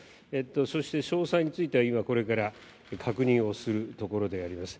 そして詳細については今これから確認をするところであります。